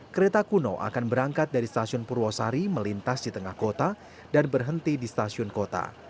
kereta kuno akan berangkat dari stasiun purwosari melintas di tengah kota dan berhenti di stasiun kota